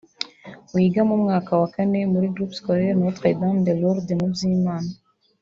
wiga mu mwaka wa kane muri Groupe Scolaire Notre Dame de Lourdes mu Byimana